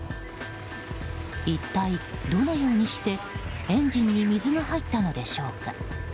一体どのようにしてエンジンに水が入ったのでしょうか。